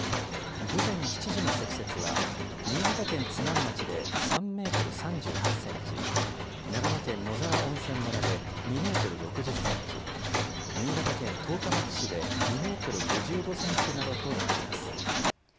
午前７時の積雪は、新潟県津南町で３メートル３８センチ、長野県野沢温泉村で２メートル６０センチ、新潟県十日町市で２メートル５５センチなどとなっています。